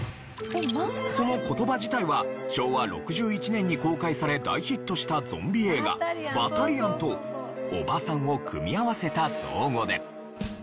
その言葉自体は昭和６１年に公開され大ヒットしたゾンビ映画『バタリアン』と「おばさん」を組み合わせた造語で。